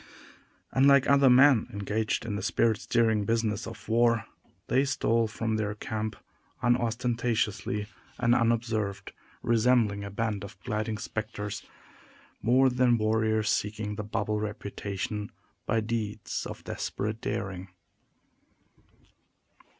Unlike other men engaged in the spirit stirring business of war, they stole from their camp unostentatiously and unobserved resembling a band of gliding specters, more than warriors seeking the bubble reputation by deeds of desperate daring.